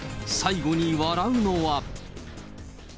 最後に笑うのは。